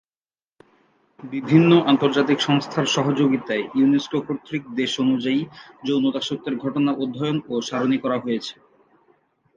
বিভিন্ন আন্তর্জাতিক সংস্থার সহযোগিতায় ইউনেস্কো কর্তৃক দেশ অনুযায়ী যৌন দাসত্বের ঘটনা অধ্যয়ন ও সারণী করা হয়েছে।